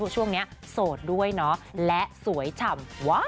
ช่วงนี้โสดด้วยเนาะและสวยฉ่ำ